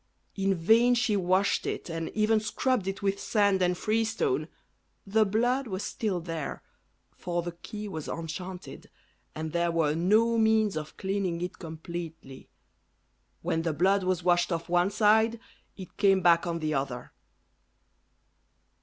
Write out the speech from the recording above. In vain she washed it, and even scrubbed it with sand and free stone, the blood was still there, for the key was enchanted, and there were no means of cleaning it completely: when the blood was washed off one side, it came back on the other.